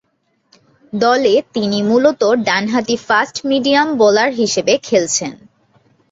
দলে তিনি মূলত ডানহাতি ফাস্ট-মিডিয়াম বোলার হিসেবে খেলছেন।